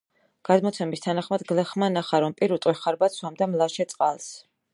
გადმოცემის თანახმად გლეხმა ნახა, რომ პირუტყვი ხარბად სვამდა მლაშე წყალს.